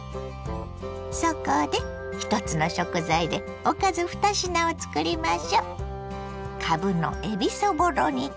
そこで１つの食材でおかず２品をつくりましょ。